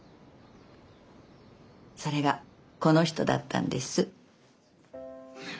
それがこの人だったんです。